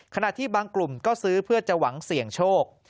ขณะที่บางกลุ่มก็ซื้อเพื่อจะหวังเสี่ยงโชค